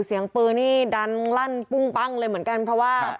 เสียงปืนนี่ดังลั่นปุ้งปั้งเลยเหมือนกันเพราะว่า